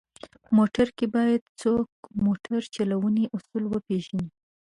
موټر کې باید څوک موټر چلونې اصول وپېژني.